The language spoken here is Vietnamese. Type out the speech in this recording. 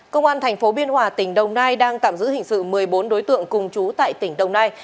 công an thành phố biên hòa tỉnh đông nai đang tạm giữ hình sự một mươi bốn đối tượng cùng chú tại tỉnh đông nai